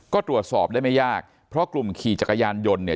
ก็ตรวจสอบได้ไม่ยากเพราะกลุ่มขี่จักรยานยนต์เนี่ย